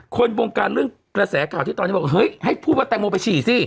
วงการเรื่องกระแสข่าวที่ตอนนี้บอกเฮ้ยให้พูดว่าแตงโมไปฉี่สิ